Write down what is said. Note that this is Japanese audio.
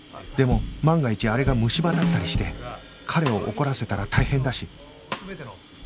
でも万が一あれがむし歯だったりして彼を怒らせたら大変だし